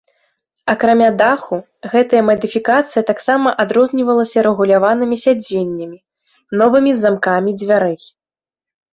Акрамя даху, гэтая мадыфікацыя таксама адрознівалася рэгуляванымі сядзеннямі, новымі замкамі дзвярэй.